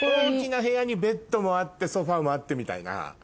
大きな部屋にベッドもあってソファもあってみたいな。